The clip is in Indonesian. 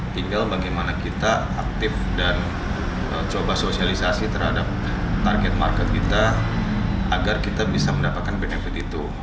tinggal bagaimana kita aktif dan coba sosialisasi terhadap target market kita agar kita bisa mendapatkan benefit itu